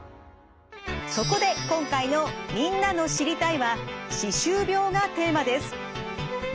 そこで今回のみんなの「知りたい！」は「歯周病」がテーマです。